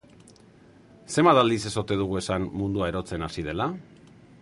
Zenbat aldiz ez ote dugu esan mundua erotzen hasi dela?